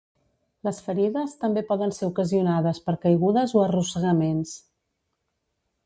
Les ferides també poden ser ocasionades per caigudes o arrossegaments.